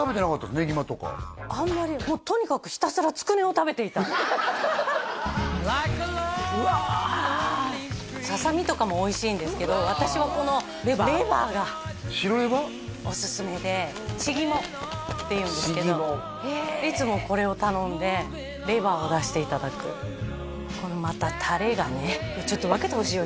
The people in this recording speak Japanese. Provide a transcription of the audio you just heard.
ねぎまとかあんまりもうとにかくひたすらつくねを食べていたうわささみとかもおいしいんですけど私はこのレバーがおすすめでちぎもっていうんですけどちぎもいつもこれを頼んでレバーを出していただくこのまたタレがねちょっと分けてほしいよ